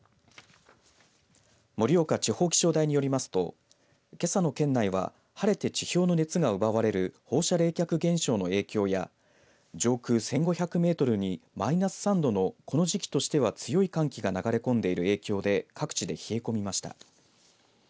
盛岡地方気象台によりますとけさの県内は晴れて地表の熱が奪われる放射冷却現象の影響や上空１５００メートルにマイナス３度のこの時期としては強い寒気が流れ込んでいる影響で各地で冷え込みました。